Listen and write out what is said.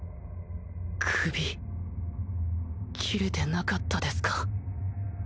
首斬れてなかったですか？